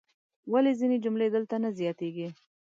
ولې ځینې جملې دلته نه زیاتیږي؟